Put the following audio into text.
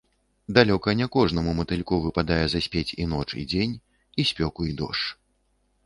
Далёка не кожнаму матыльку выпадае заспець і ноч, і дзень, і спёку і дождж.